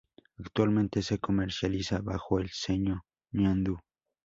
Actualmente se comercializa bajo el sello Ñandú.